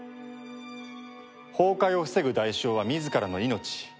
崩壊を防ぐ代償は自らの命。